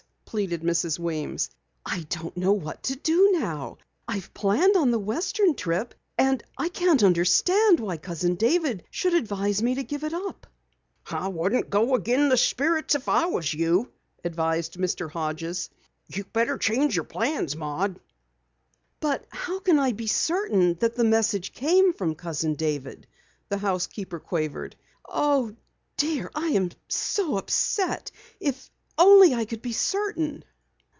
pleaded Mrs. Weems. "I don't know what to do now. I've planned on the western trip and I can't understand why Cousin David should advise me to give it up." "I wouldn't go agin' the Spirits if I was you," advised Mr. Hodges. "You better change your plans, Maud." "But how can I be certain that the message came from Cousin David?" the housekeeper quavered. "Oh, dear, I am so upset! If only I could be certain."